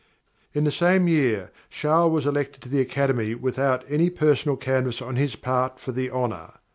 _ _In the same year Charles was elected to the Academy without any personal canvas on his part for the honour.